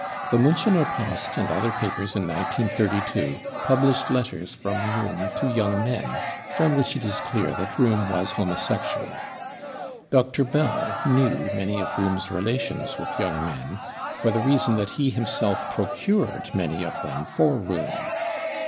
The Munchener Post and other papers in 1 932 published letters from Rohm to young men, from which it is clear that Rohm was homosexual. Dr. Bell knew many of RohnTs relations with young men, for the reason that he himself procured ^any of them for Rohm.